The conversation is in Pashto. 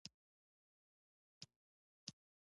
د لیکنې سبک باید د ایم ایل اې سره سم وي.